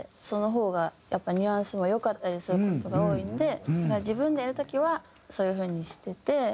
その方がやっぱニュアンスも良かったりする事が多いんで自分でやる時はそういう風にしてて。